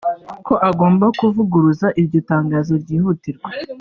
ko agomba kuvuguruza iryo tangazo byihutirwa